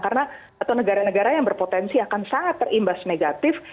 karena atau negara negara yang berpotensi akan sangat terimbas negatif